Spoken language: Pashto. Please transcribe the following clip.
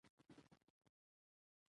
تاریخ د خپل ولس د هلو ځلو انځور دی.